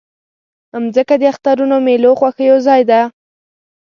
مځکه د اخترونو، میلو، خوښیو ځای ده.